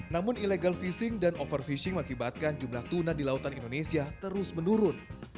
namun illegal fishing dan overfishing mengakibatkan jumlah tuna di lautan indonesia terus menurun